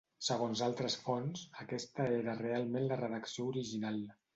Segons altres fonts, aquesta era realment la redacció original.